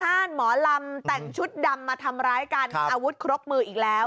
หมอลำแต่งชุดดำมาทำร้ายกันอาวุธครบมืออีกแล้ว